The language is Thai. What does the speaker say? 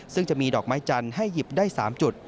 ซึ่งจะมีดอกไม้จันทร์ให้หยิบได้๓จุด